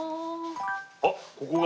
あっここが。